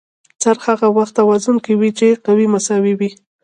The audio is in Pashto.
څرخ هغه وخت توازن کې وي چې قوې مساوي وي.